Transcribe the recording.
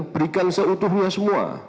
berikan seutuhnya semua